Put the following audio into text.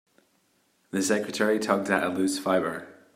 The secretary tugged at a loose fibre.